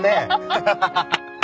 ハハハハハッ。